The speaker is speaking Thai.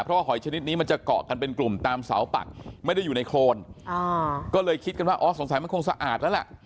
เพราะว่าหอยชนิดนี้มันจะเกาะกันเป็นกลุ่มตามเสาปักไม่ได้อยู่ในโครนก็เลยคิดกันว่าอ๋อสงสัยมันคงสะอาดแล้วล่ะ